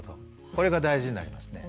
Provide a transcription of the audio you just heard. これが大事になりますね。